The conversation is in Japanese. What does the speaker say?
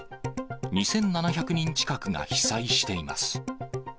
２７００人近くが被災しています。